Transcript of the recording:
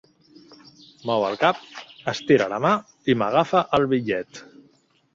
Mou el cap, estira la mà i m'agafa el bitllet.